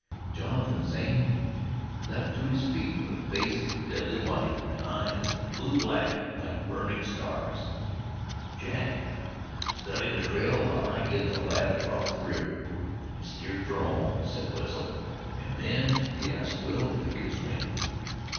Jonathan Zane leaped to his feet with face deathly white and eyes blue black, like burning stars. "Jack, study the trail while I get the lad acrost the river, an' steered fer home," said Wetzel, and then he asked Will if he could swim.